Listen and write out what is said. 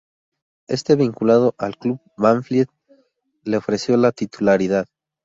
Este, vinculado al club Banfield, le ofreció la titularidad.